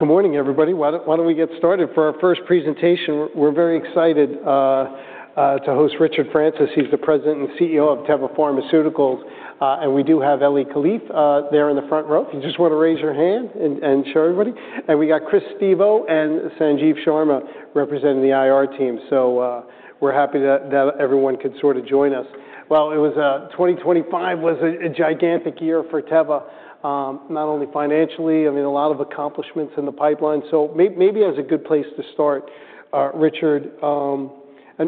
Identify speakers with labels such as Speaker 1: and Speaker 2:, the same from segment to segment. Speaker 1: Good morning, everybody. Why don't we get started? For our first presentation, we're very excited to host Richard Francis. He's the President and CEO of Teva Pharmaceuticals. We do have Eli Kalif there in the front row. If you just wanna raise your hand and show everybody. We got Chris Stevo and Sanjeev Sharma representing the IR team. We're happy that everyone could sort of join us. 2025 was a gigantic year for Teva, not only financially, I mean, a lot of accomplishments in the pipeline. Maybe as a good place to start, Richard.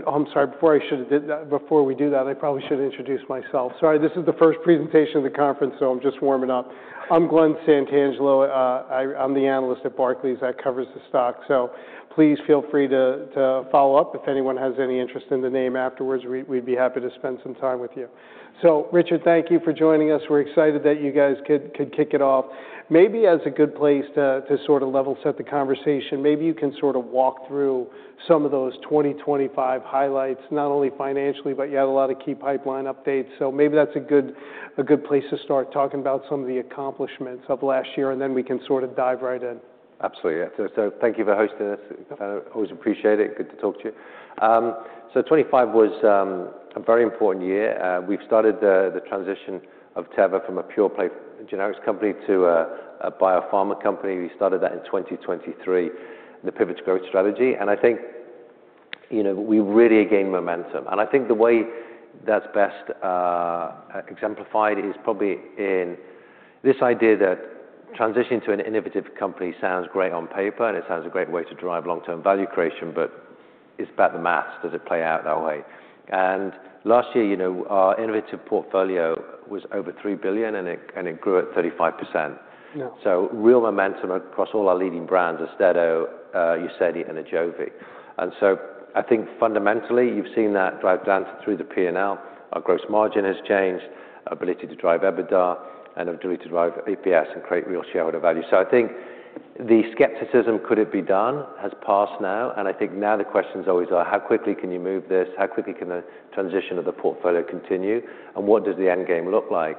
Speaker 1: I'm sorry, before I should've did that, before we do that, I probably should introduce myself. Sorry, this is the first presentation of the conference, so I'm just warming up. I'm Glen Santangelo. I'm the analyst at Barclays that covers the stock. Please feel free to follow up if anyone has any interest in the name afterwards. We'd be happy to spend some time with you. Richard, thank you for joining us. We're excited that you guys could kick it off. Maybe as a good place to sort of level set the conversation, maybe you can sort of walk through some of those 2025 highlights, not only financially, but you had a lot of key pipeline updates. Maybe that's a good place to start talking about some of the accomplishments of last year, and then we can sort of dive right in.
Speaker 2: Absolutely. Yeah. So thank you for hosting us. I always appreciate it. Good to talk to you. So 2025 was a very important year. We've started the transition of Teva from a pure play generics company to a biopharma company. We started that in 2023, the Pivot to Growth strategy. I think, you know, we really gained momentum. I think the way that's best exemplified is probably in this idea that transitioning to an innovative company sounds great on paper, and it sounds a great way to drive long-term value creation, but it's about the math. Does it play out that way? Last year, you know, our innovative portfolio was over $3 billion, and it grew at 35%. Real momentum across all our leading brands, AUSTEDO, UZEDY, and AJOVY. I think fundamentally, you've seen that drive down through the P&L. Our gross margin has changed, ability to drive EBITDA, and ability to drive EPS and create real shareholder value. I think the skepticism, could it be done, has passed now. I think now the questions always are, how quickly can you move this? How quickly can the transition of the portfolio continue? What does the end game look like?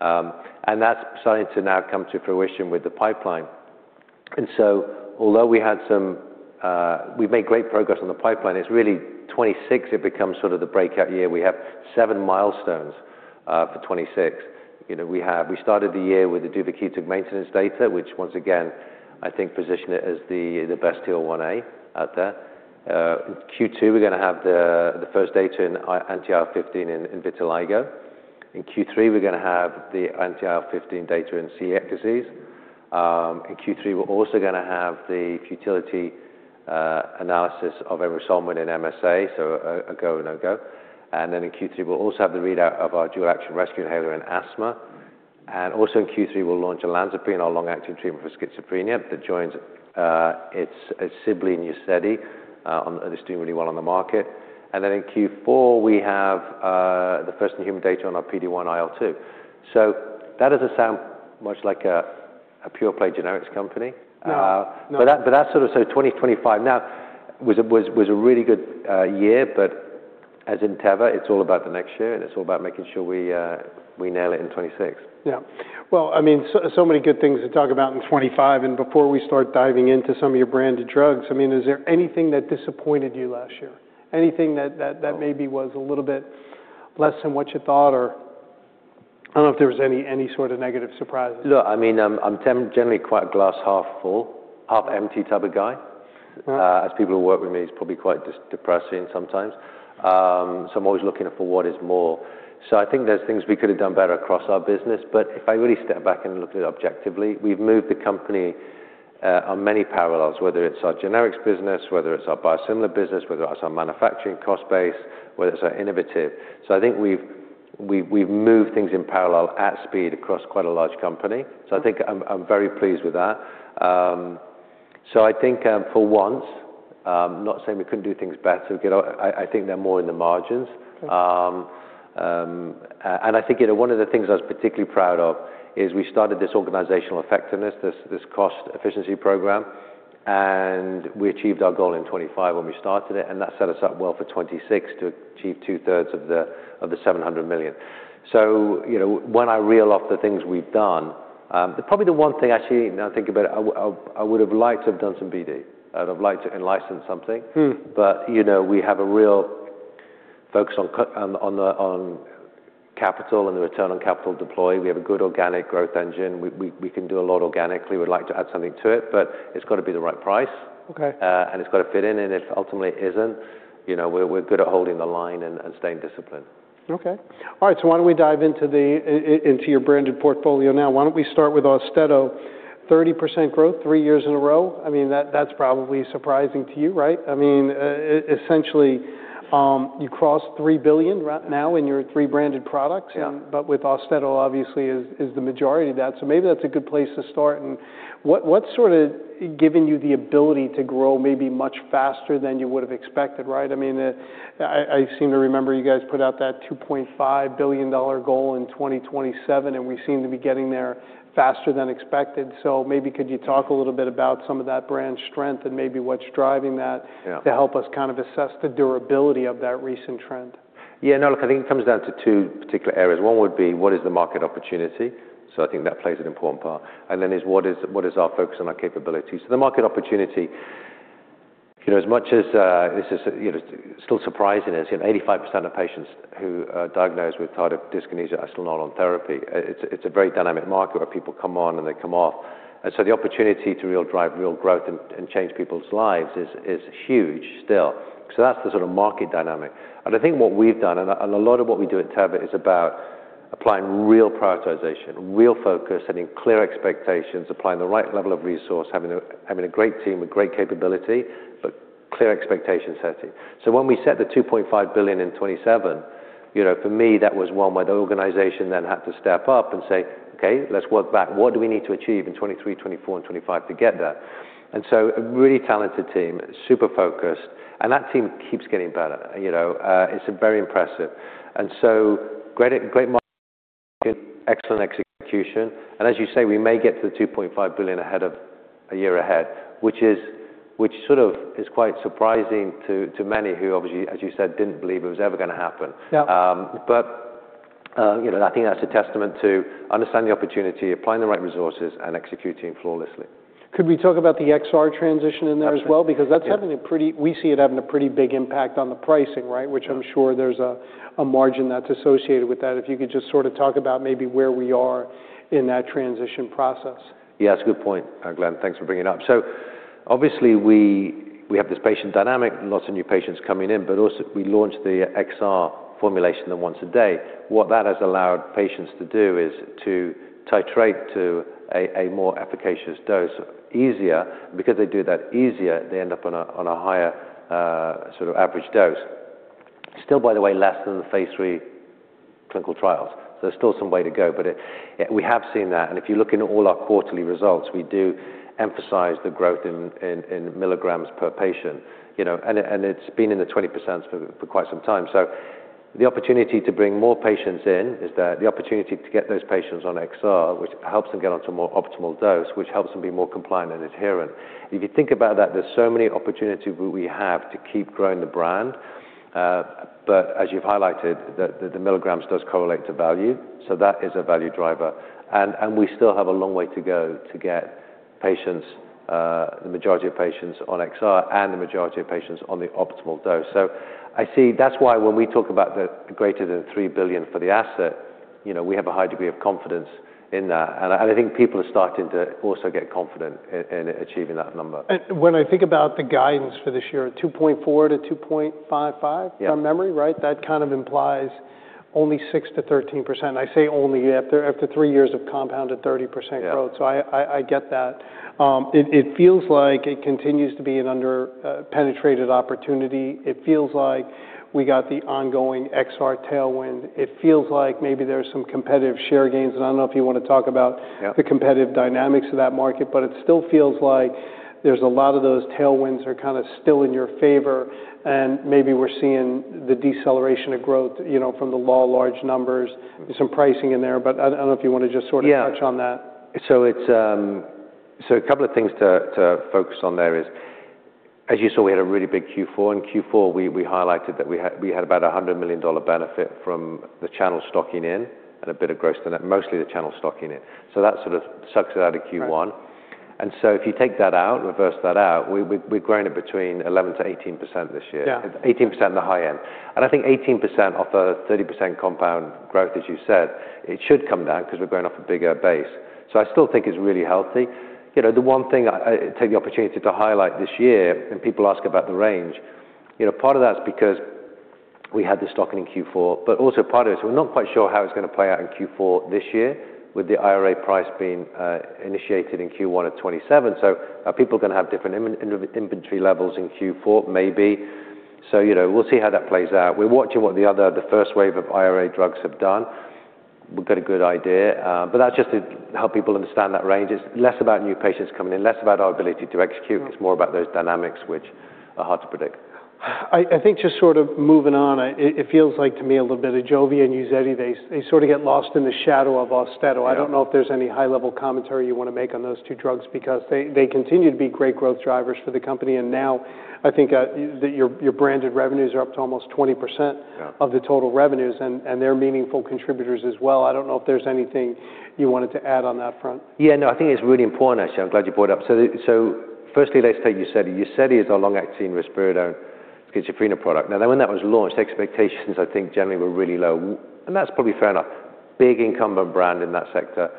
Speaker 2: That's starting to now come to fruition with the pipeline. Although we've made great progress on the pipeline, it's really 2026 it becomes sort of the breakout year. We have seven milestones for 2026. You know, we started the year with the duvakitug maintenance data, which once again, I think position it as the best TL1A out there. In Q2, we're gonna have the first data in anti-IL-15 in vitiligo. In Q3, we're gonna have the anti-IL-15 data in celiac disease. In Q3, we're also gonna have the futility analysis of emrusolmin in MSA, so a go/no-go. In Q3, we'll also have the readout of our dual-action rescue inhaler in asthma. In Q3, we'll launch Olanzapine, our long-acting treatment for schizophrenia that joins its sibling UZEDY, that's doing really well on the market. In Q4, we have the first in human data on our PD1-IL-2. That doesn't sound much like a pure play generics company. That's sort of 2025 now was a really good year. As in Teva, it's all about the next year, and it's all about making sure we nail it in 2026.
Speaker 1: Yeah. Well, I mean, so many good things to talk about in 2025, before we start diving into some of your branded drugs, I mean, is there anything that disappointed you last year? Anything that maybe was a little bit less than what you thought, or I don't know if there was any sort of negative surprises.
Speaker 2: Look, I mean, I'm generally quite glass-half-full, half-empty type of guy. As people who work with me, it's probably quite depressing sometimes. I'm always looking for what is more. I think there's things we could have done better across our business. If I really step back and look at it objectively, we've moved the company on many parallels, whether it's our generics business, whether it's our biosimilar business, whether it's our manufacturing cost base, whether it's our innovative. I think we've moved things in parallel at speed across quite a large company. I think I'm very pleased with that. I think for once, not saying we couldn't do things better. You know, I think they're more in the margins. I think, you know, one of the things I was particularly proud of is we started this organizational effectiveness, this cost efficiency program, and we achieved our goal in 2025 when we started it, and that set us up well for 2026 to achieve two-thirds of the $700 million. You know, when I reel off the things we've done, probably the one thing actually now I think about it, I would've liked to have done some BD. I'd have liked to in-license something. You know, we have a real focus on capital and the return on capital deployment. We have a good organic growth engine. We can do a lot organically. We'd like to add something to it, but it's gotta be the right price. It's gotta fit in. If it ultimately isn't, you know, we're good at holding the line and staying disciplined.
Speaker 1: Okay. All right. Why don't we dive into your branded portfolio now? Why don't we start with AUSTEDO? 30% growth three years in a row. I mean, that's probably surprising to you, right? I mean, essentially, you crossed $3 billion run rate now in your three branded products. With AUSTEDO obviously is the majority of that. Maybe that's a good place to start. What's sort of giving you the ability to grow maybe much faster than you would've expected, right? I mean, I seem to remember you guys put out that $2.5 billion goal in 2027, and we seem to be getting there faster than expected. Maybe could you talk a little bit about some of that brand strength and maybe what's driving that to help us kind of assess the durability of that recent trend?
Speaker 2: Yeah, no, look, I think it comes down to two particular areas. One would be what is the market opportunity? I think that plays an important part. Then is what is our focus and our capabilities. The market opportunity, you know, as much as this is, you know, still surprising is 85% of patients who are diagnosed with tardive dyskinesia are still not on therapy. It's a very dynamic market where people come on, and they come off. The opportunity to really drive real growth and change people's lives is huge still. That's the sort of market dynamic. I think what we've done and a lot of what we do at Teva is about applying real prioritization, real focus, setting clear expectations, applying the right level of resource, having a great team with great capability, but clear expectation setting. When we set the $2.5 billion in 2027, you know, for me, that was one where the organization then had to step up and say, "Okay, let's work back. What do we need to achieve in 2023, 2024, and 2025 to get there?" A really talented team, super focused, and that team keeps getting better. You know, it's very impressive. Great market, excellent execution. As you say, we may get to the $2.5 billion ahead of a year, which sort of is quite surprising to many who obviously, as you said, didn't believe it was ever gonna happen. You know, I think that's a testament to understanding the opportunity, applying the right resources, and executing flawlessly.
Speaker 1: Could we talk about the XR transition in there as well?
Speaker 2: Absolutely.
Speaker 1: We see it having a pretty big impact on the pricing, right? Which I'm sure there's a margin that's associated with that. If you could just sort of talk about maybe where we are in that transition process.
Speaker 2: Yeah, that's a good point, Glen. Thanks for bringing it up. Obviously, we have this patient dynamic and lots of new patients coming in, but also we launched the XR formulation, the once-a-day. What that has allowed patients to do is to titrate to a more efficacious dose easier. Because they do that easier, they end up on a higher, sort of average dose. Still, by the way, less than the phase III clinical trials. There's still some way to go. We have seen that. If you look into all our quarterly results, we do emphasize the growth in milligrams per patient, you know. It's been in the 20% for quite some time. The opportunity to bring more patients in is there. The opportunity to get those patients on XR, which helps them get onto a more optimal dose, which helps them be more compliant and adherent. If you think about that, there's so many opportunities we have to keep growing the brand. As you've highlighted, the milligrams does correlate to value. That is a value driver. We still have a long way to go to get patients, the majority of patients on XR and the majority of patients on the optimal dose. I see that's why when we talk about the greater than $3 billion for the asset, you know, we have a high degree of confidence in that. I think people are starting to also get confident in achieving that number.
Speaker 1: When I think about the guidance for this year, $2.4-$2.55, from memory, right? That kind of implies only 6%-13%. I say only after three years of compounded 30% growth. I get that. It feels like it continues to be an underpenetrated opportunity. It feels like we got the ongoing XR tailwind. It feels like maybe there's some competitive share gains. I don't know if you wanna talk about the competitive dynamics of that market, but it still feels like there's a lot of those tailwinds are kind of still in your favor. Maybe we're seeing the deceleration of growth, you know, from the law of large numbers, some pricing in there. I don't know if you wanna just sort of touch on that.
Speaker 2: A couple of things to focus on there is, as you saw, we had a really big Q4. In Q4, we highlighted that we had about $100 million benefit from the channel stocking in, mostly the channel stocking in. That sort of sucks it out of Q1. If you take that out, reverse that out, we've grown it between 11%-18% this year. 18% the high end. I think 18% off a 30% compound growth, as you said, it should come down because we're going off a bigger base. I still think it's really healthy. You know, the one thing I take the opportunity to highlight this year, and people ask about the range. You know, part of that's because we had the stocking in Q4, but also part of it is we're not quite sure how it's gonna play out in Q4 this year with the IRA price being initiated in Q1 of 2027. Are people gonna have different inventory levels in Q4? Maybe. You know, we'll see how that plays out. We're watching what the first wave of IRA drugs have done. We've got a good idea. But that's just to help people understand that range. It's less about new patients coming in, less about our ability to execute. It's more about those dynamics which are hard to predict.
Speaker 1: I think just sort of moving on, it feels like to me a little bit AJOVY and UZEDY, they sort of get lost in the shadow of AUSTEDO. I don't know if there's any high-level commentary you wanna make on those two drugs because they continue to be great growth drivers for the company. Now I think your branded revenues are up to almost 20% of the total revenues, and they're meaningful contributors as well. I don't know if there's anything you wanted to add on that front.
Speaker 2: Yeah, no, I think it's really important, actually. I'm glad you brought it up. First, let's take UZEDY. UZEDY is our long-acting risperidone, it's a schizophrenia product. Now then when that was launched, expectations, I think, generally were really low, and that's probably fair enough. Big incumbent brand in that sector.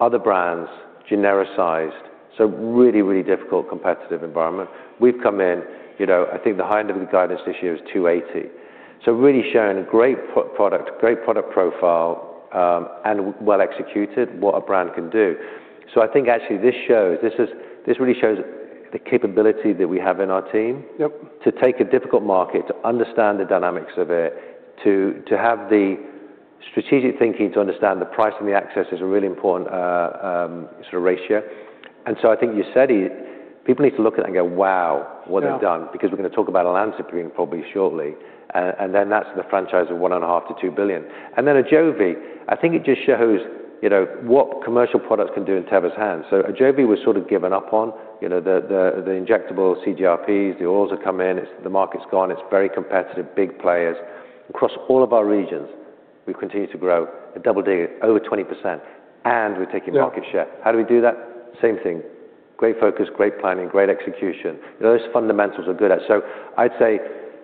Speaker 2: Other brands genericized, so really, really difficult competitive environment. We've come in, you know, I think the high end of the guidance this year is $280 million. So really shown a great product, great product profile, and well executed what a brand can do. I think actually this really shows the capability that we have in our team to take a difficult market, to understand the dynamics of it, to have the strategic thinking to understand the price and the access is a really important sort of ratio. I think UZEDY, people need to look at that and go, "Wow, what they've done. We're gonna talk about Olanzapine probably shortly. That's the franchise of $1.5-$2 billion. AJOVY, I think it just shows, you know, what commercial products can do in Teva's hands. AJOVY was sort of given up on, you know, the injectable CGRPs, the orals have come in. It's the market's gone. It's very competitive, big players across all of our regions. We've continued to grow double digits, over 20%, and we're taking market share. How do we do that? Same thing. Great focus, great planning, great execution. Those fundamentals we're good at. I'd say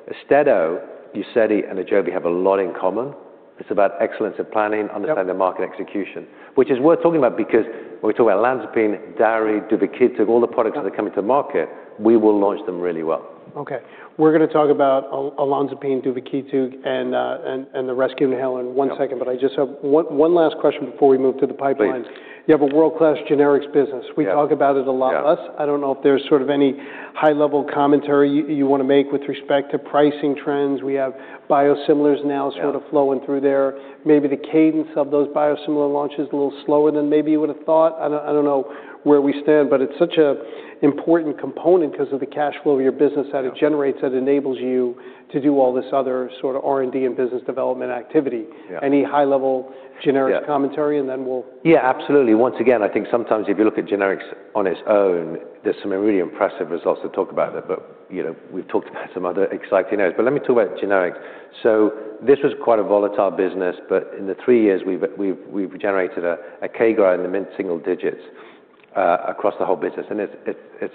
Speaker 2: AUSTEDO, UZEDY, and AJOVY have a lot in common. It's about excellence in planning. Understanding the market execution, which is worth talking about because when we talk about Olanzapine, DARI, duvakitug, all the products that are coming to market, we will launch them really well.
Speaker 1: Okay. We're gonna talk about Olanzapine, duvakitug, and the rescue inhaler in one second. I just have one last question before we move to the pipelines. You have a world-class generics business. We talk about it a lot less. I don't know if there's sort of any high-level commentary you wanna make with respect to pricing trends. We have biosimilars now, sort of flowing through there. Maybe the cadence of those biosimilar launches a little slower than maybe you would've thought. I don't know where we stand, but it's such an important component 'cause of the cash flow of your business. That it generates, that enables you to do all this other sort of R&D and business development activity. Any high-level generics commentary and then we'll?
Speaker 2: Yeah, absolutely. Once again, I think sometimes if you look at generics on its own, there's some really impressive results to talk about there. You know, we've talked about some other exciting areas. Let me talk about generics. This was quite a volatile business, but in the three years we've generated a CAGR in the mid-single digits across the whole business, and it's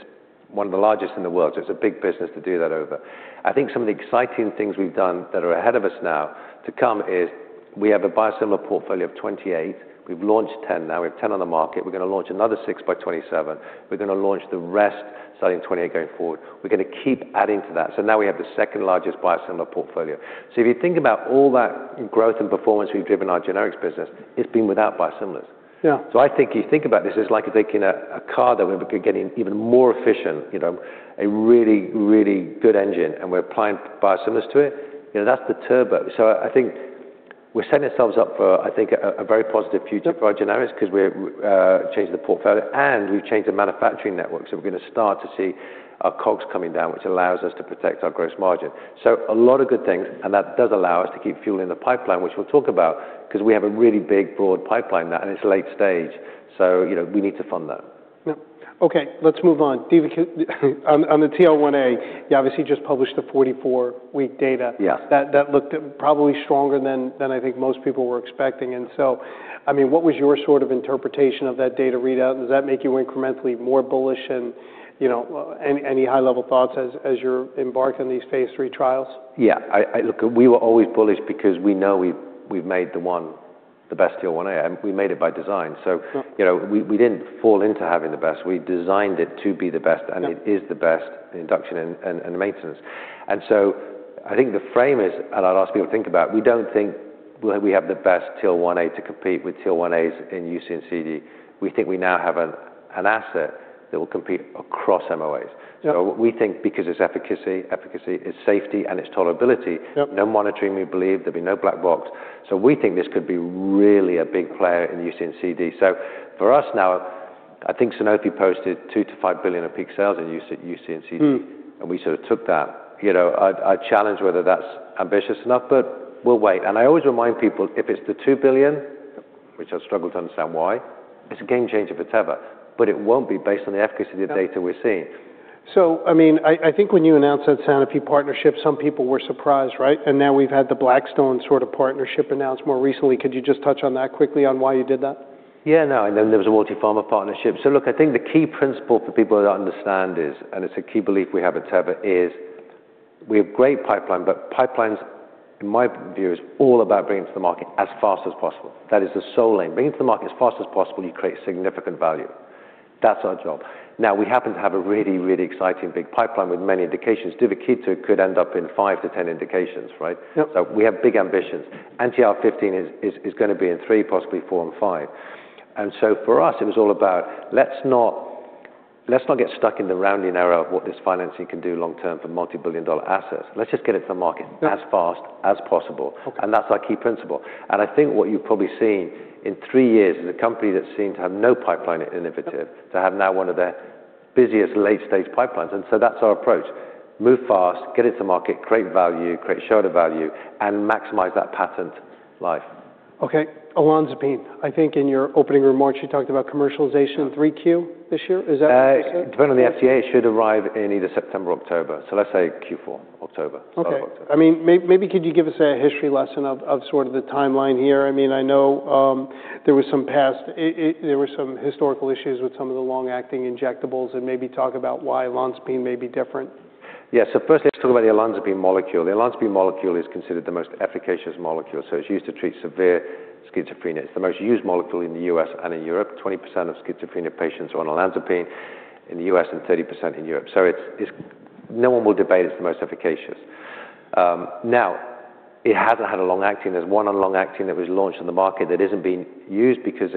Speaker 2: one of the largest in the world, so it's a big business to do that over. I think some of the exciting things we've done that are ahead of us now to come is we have a biosimilar portfolio of 28. We've launched 10 now. We have 10 on the market. We're gonna launch another six by 2027. We're gonna launch the rest starting 2028 going forward. We're gonna keep adding to that. Now we have the second-largest biosimilar portfolio. If you think about all that growth and performance we've driven in our generics business, it's been without biosimilars. I think you think about this as like taking a car that we've been getting even more efficient. You know, a really, really good engine, and we're applying biosimilars to it. You know, that's the turbo. I think we're setting ourselves up for, I think, a very positive future for our generics. 'Cause we're changing the portfolio, and we've changed the manufacturing network. We're gonna start to see our COGS coming down, which allows us to protect our gross margin. A lot of good things, and that does allow us to keep fueling the pipeline, which we'll talk about, 'cause we have a really big, broad pipeline now, and it's late stage, so, you know, we need to fund that.
Speaker 1: Yeah. Okay, let's move on. Duvakitug on the TL1A, you obviously just published the 44-week data. That looked probably stronger than I think most people were expecting. I mean, what was your sort of interpretation of that data readout? Does that make you incrementally more bullish? You know, any high-level thoughts as you embark on these phase III trials?
Speaker 2: Yeah. Look, we were always bullish because we know we've made the best TL1A, and we made it by design. You know, we didn't fall into having the best. We designed it to be the best. It is the best in induction and maintenance. I think the frame is. I'll ask people to think about, we don't think we have the best TL1A to compete with TL1As in UC and CD. We think we now have an asset that will compete across MOAs. We think because of its efficacy, its safety, and its tolerability. No monitoring. We believe there'll be no black box. We think this could be really a big player in UC and CD. For us now, I think Sanofi posted $2 billion-$5 billion of peak sales in UC and CD. We sort of took that. You know, I challenge whether that's ambitious enough, but we'll wait. I always remind people, if it's the $2 billion, which I struggle to understand why, it's a game changer for Teva, but it won't be based on the efficacy of the data we're seeing.
Speaker 1: I mean, I think when you announced that Sanofi partnership, some people were surprised, right? Now we've had the Blackstone sort of partnership announced more recently. Could you just touch on that quickly on why you did that?
Speaker 2: Yeah, no. Then there was the Royalty Pharma partnership. Look, I think the key principle for people to understand is, and it's a key belief we have at Teva, is we have great pipeline, but pipelines, in my view, is all about bringing to the market as fast as possible. That is the sole aim. Bring it to the market as fast as possible, you create significant value. That's our job. Now, we happen to have a really, really exciting big pipeline with many indications. Duvakitug could end up in 5-10 indications, right? We have big ambitions. anti-IL-15 is gonna be in three, possibly four and five. For us, it was all about let's not get stuck in the rounding error of what this financing can do long term for multi-billion dollar assets. Let's just get it to the market as fast as possible. That's our key principle. I think what you've probably seen in three years is a company that seemed to have no pipeline initiative to have now one of the busiest late-stage pipelines. That's our approach. Move fast, get it to market, create value, create shareholder value, and maximize that patent life.
Speaker 1: Okay. Olanzapine. I think in your opening remarks, you talked about commercialization in 3Q this year. Is that what you said?
Speaker 2: Depending on the FDA, it should arrive in either September or October. Let's say Q4, October.
Speaker 1: Okay.
Speaker 2: October.
Speaker 1: I mean, maybe could you give us a history lesson of sort of the timeline here? I mean, I know, there were some historical issues with some of the long-acting injectables, and maybe talk about why Olanzapine may be different.
Speaker 2: Yeah. Firstly, let's talk about the olanzapine molecule. The olanzapine molecule is considered the most efficacious molecule, so it's used to treat severe schizophrenia. It's the most used molecule in the U.S. and in Europe. 20% of schizophrenia patients are on Olanzapine in the U.S., and 30% in Europe. It's no one will debate it's the most efficacious. Now, it hasn't had a long-acting. There's one on long-acting that was launched in the market that isn't being used because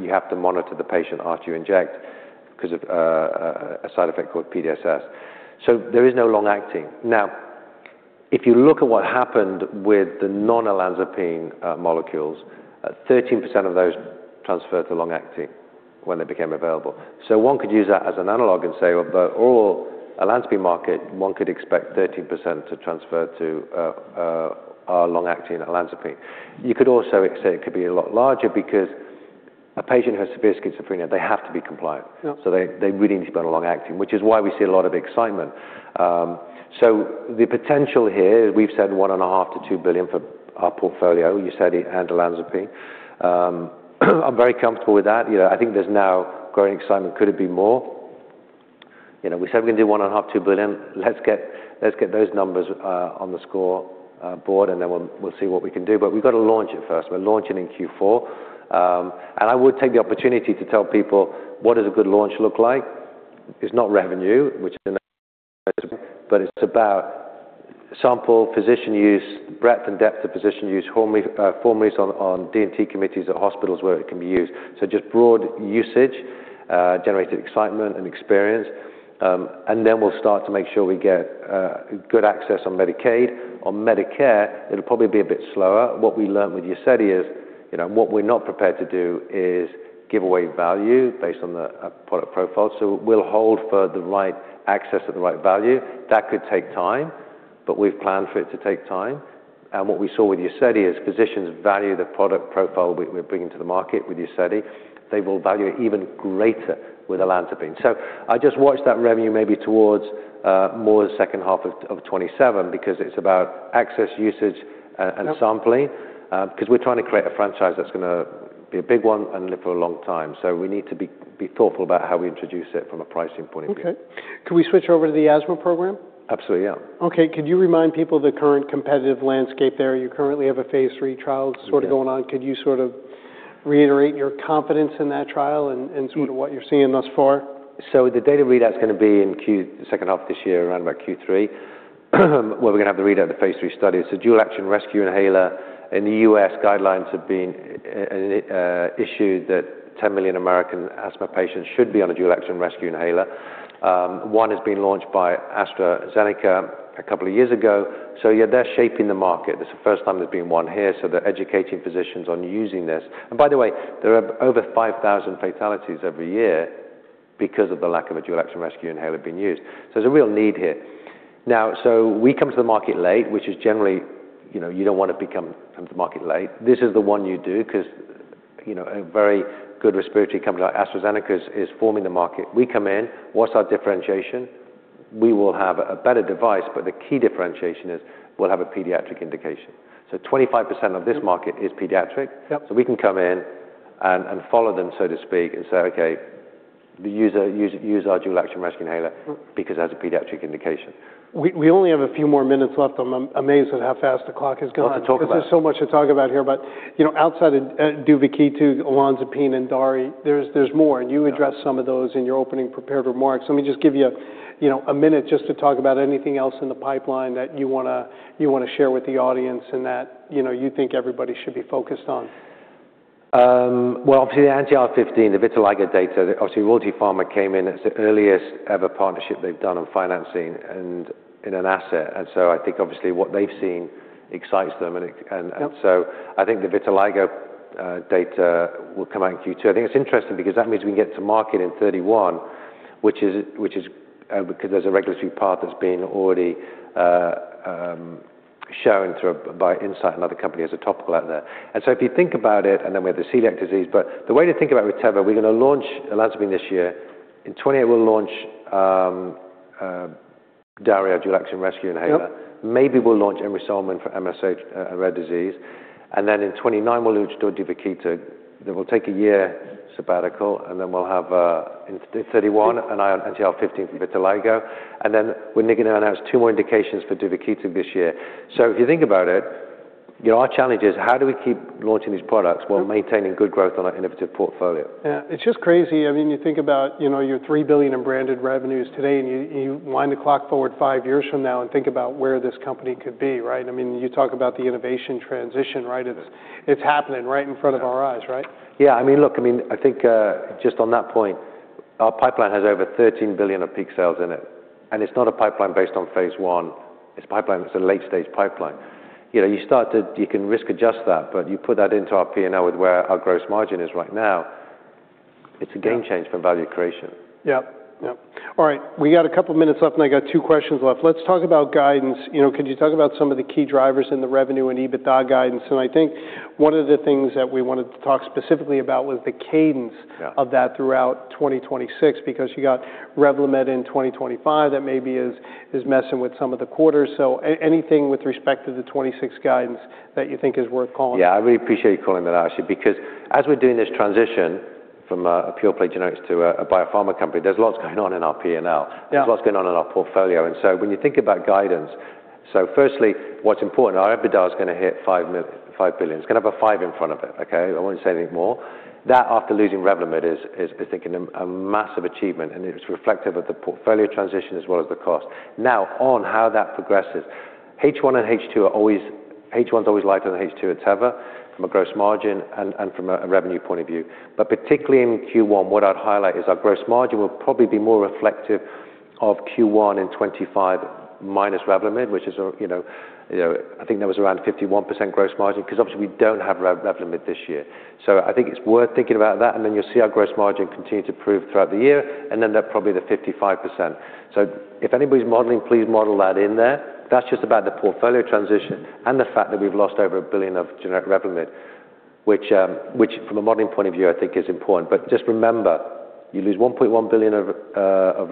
Speaker 2: you have to monitor the patient after you inject because of a side effect called PDSS. There is no long-acting. Now, if you look at what happened with the non-olanzapine molecules, 13% of those transferred to long-acting when they became available. One could use that as an analog and say of the all Olanzapine market, one could expect 13% to transfer to our long-acting Olanzapine. You could also say it could be a lot larger because a patient who has severe schizophrenia, they have to be compliant. They really need to be put on long-acting, which is why we see a lot of excitement. The potential here is we've said $1.5 billion-$2 billion for our portfolio. UZEDY and Olanzapine. I'm very comfortable with that. You know, I think there's now growing excitement. Could it be more? You know, we said we can do $1.5 billion-$2 billion. Let's get those numbers on the scoreboard, and then we'll see what we can do. We've got to launch it first. We're launching in Q4. I would take the opportunity to tell people what does a good launch look like. It's not revenue, but it's about sample, physician use, breadth and depth of physician use, formulary use on P&T committees at hospitals where it can be used. Just broad usage generated excitement and experience. Then we'll start to make sure we get good access on Medicaid. On Medicare, it'll probably be a bit slower. What we learned with UZEDY is, you know, what we're not prepared to do is give away value based on the product profile. We'll hold for the right access at the right value. That could take time, but we've planned for it to take time. What we saw with UZEDY is physicians value the product profile we're bringing to the market with UZEDY. They will value it even greater with Olanzapine. I just watched that revenue maybe towards more the second half of 2027 because it's about access, usage, and sampling. Because we're trying to create a franchise that's gonna be a big one and live for a long time. We need to be thoughtful about how we introduce it from a pricing point of view.
Speaker 1: Okay. Could we switch over to the asthma program?
Speaker 2: Absolutely, yeah.
Speaker 1: Okay. Could you remind people the current competitive landscape there? You currently have a phase III trial sort of going on. Could you sort of reiterate your confidence in that trial and sort of what you're seeing thus far?
Speaker 2: The data readout's gonna be in second half of this year, around about Q3, where we're gonna have the readout of the phase III study. It's a dual-action rescue inhaler. In the U.S., guidelines have been issued that 10 million American asthma patients should be on a dual-action rescue inhaler. One has been launched by AstraZeneca a couple of years ago. Yeah, they're shaping the market. It's the first time there's been one here, so they're educating physicians on using this. By the way, there are over 5,000 fatalities every year because of the lack of a dual-action rescue inhaler being used. There's a real need here. We come to the market late, which is generally, you know, you don't wanna come to market late. This is the one you do 'cause, you know, a very good respiratory company like AstraZeneca is forming the market. We come in. What's our differentiation? We will have a better device, but the key differentiation is we'll have a pediatric indication. 25% of this market is pediatric. We can come in and follow them, so to speak, and say, "Okay, use our dual-action rescue inhaler because it has a pediatric indication.
Speaker 1: We only have a few more minutes left. I'm amazed at how fast the clock has gone.
Speaker 2: A lot to talk about.
Speaker 1: 'Cause there's so much to talk about here. You know, outside of duvakitug, Olanzapine, and DARI, there's more. You addressed some of those in your opening prepared remarks. Let me just give you know, a minute just to talk about anything else in the pipeline that you wanna share with the audience and that, you know, you think everybody should be focused on.
Speaker 2: Well, obviously, the anti-IL-15, the vitiligo data, obviously, Royalty Pharma came in. It's the earliest ever partnership they've done on financing and in an asset. I think obviously what they've seen excites them. I think the vitiligo data will come out in Q2. I think it's interesting because that means we can get to market in 2031, which is because there's a regulatory path that's been already shown through by Incyte and other company as a topical out there. If you think about it, and then we have the celiac disease, but the way to think about Teva, we're gonna launch Olanzapine this year. In 2028, we'll launch DARI dual-action rescue inhaler. Maybe we'll launch emrusolmin for MSA, rare disease. In 2029, we'll launch duvakitug. We'll take a year sabbatical, and then we'll have in 2031 an anti-IL-15 for vitiligo. We're looking to announce two more indications for duvakitug this year. If you think about it, you know, our challenge is how do we keep launching these products while maintaining good growth on our innovative portfolio?
Speaker 1: Yeah. It's just crazy. I mean, you think about, you know, your $3 billion in branded revenues today and you wind the clock forward five years from now and think about where this company could be, right? I mean, you talk about the innovation transition, right? It's happening right in front of our eyes, right?
Speaker 2: Yeah. I mean, look, I mean, I think just on that point, our pipeline has over $13 billion of peak sales in it. It's not a pipeline based on phase I. It's a pipeline that's a late-stage pipeline. You know, you can risk adjust that, but you put that into our P&L with where our gross margin is right now, it's a game change for value creation.
Speaker 1: Yeah. Yeah. All right. We got a couple minutes left, and I got two questions left. Let's talk about guidance. You know, could you talk about some of the key drivers in the revenue and EBITDA guidance? I think one of the things that we wanted to talk specifically about was the cadence. Of that throughout 2026, because you got Revlimid in 2025 that maybe is messing with some of the quarters. Anything with respect to the 2026 guidance that you think is worth calling out.
Speaker 2: Yeah. I really appreciate you calling that out, actually, because as we're doing this transition from a pure play generics to a biopharma company, there's lots going on in our P&L. There's lots going on in our portfolio. When you think about guidance, firstly, what's important, our EBITDA is gonna hit $5 billion. It's gonna have a 5 in front of it, okay? I won't say anything more. That after losing Revlimid is I think a massive achievement, and it's reflective of the portfolio transition as well as the cost. Now, on how that progresses, H1 and H2 are always H1 is always lighter than H2 at Teva from a gross margin and from a revenue point of view. But particularly in Q1, what I'd highlight is our gross margin will probably be more reflective of Q1 in 2025 minus Revlimid, which is, you know, I think that was around 51% gross margin 'cause obviously we don't have Revlimid this year. I think it's worth thinking about that, and then you'll see our gross margin continue to improve throughout the year, and then they're probably the 55%. If anybody's modeling, please model that in there. That's just about the portfolio transition and the fact that we've lost over $1 billion of generic Revlimid. Which, from a modeling point of view, I think is important. But just remember, you lose $1.1 billion of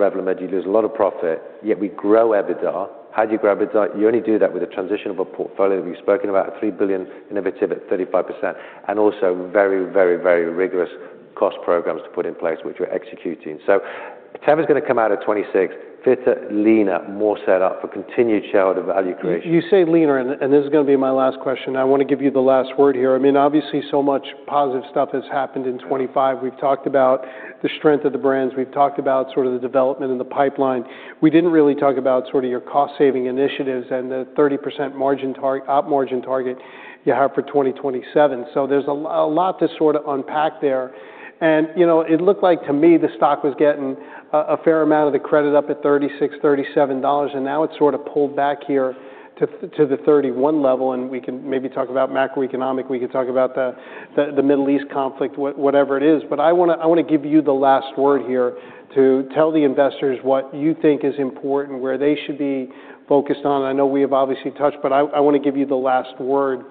Speaker 2: Revlimid, you lose a lot of profit, yet we grow EBITDA. How do you grow EBITDA? You only do that with a transition of a portfolio that we've spoken about, a $3 billion innovative at 35%, and also very, very, very rigorous cost programs to put in place which we're executing. Teva is gonna come out of 2026 fitter, leaner, more set up for continued shareholder value creation.
Speaker 1: You say leaner, and this is gonna be my last question. I wanna give you the last word here. I mean, obviously, so much positive stuff has happened in 2025. We've talked about the strength of the brands. We've talked about sort of the development in the pipeline. We didn't really talk about sort of your cost-saving initiatives and the 30% margin target you have for 2027. So there's a lot to sorta unpack there. You know, it looked like to me the stock was getting a fair amount of the credit up at $36, $37, and now it's sorta pulled back here to the $31 level. We can maybe talk about macroeconomic. We can talk about the Middle East conflict, whatever it is. I wanna give you the last word here to tell the investors what you think is important, where they should be focused on. I know we have obviously touched, but I wanna give you the last word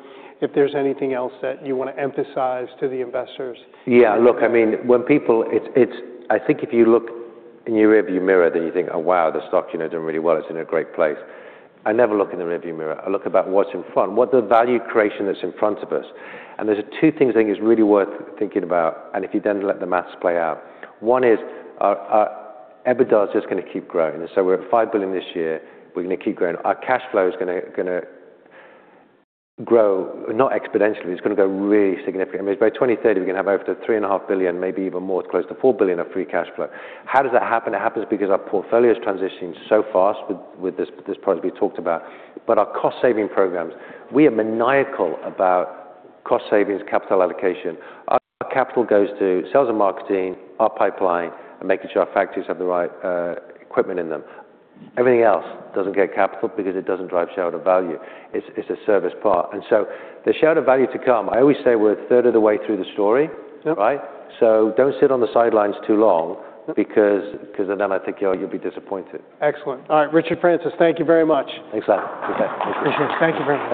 Speaker 1: if there's anything else that you wanna emphasize to the investors.
Speaker 2: Yeah. Look, I mean, when people, it's I think if you look in your rearview mirror, then you think, "Oh, wow, the stock is doing really well. It's in a great place." I never look in the rearview mirror. I look ahead to what's in front, what the value creation that's in front of us. There's two things I think is really worth thinking about, and if you then let the math play out. One is our EBITDA is just gonna keep growing. We're at $5 billion this year. We're gonna keep growing. Our cash flow is gonna grow, not exponentially. It's gonna grow really significantly. By 2030, we're gonna have over $3.5 billion, maybe even more, close to $4 billion of free cash flow. How does that happen? It happens because our portfolio is transitioning so fast with this product we talked about. Our cost-saving programs, we are maniacal about cost savings, capital allocation. Our capital goes to sales and marketing, our pipeline, and making sure our factories have the right equipment in them. Everything else doesn't get capital because it doesn't drive shareholder value. It's a service part. The shareholder value to come, I always say we're a third of the way through the story. Right? Don't sit on the sidelines too long. 'Cause then I think you'll be disappointed.
Speaker 1: Excellent. All right, Richard Francis, thank you very much.
Speaker 2: Thanks, Glen. Take care.
Speaker 1: Appreciate it. Thank you very much.